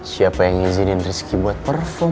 siapa yang mengizinin rizky buat perform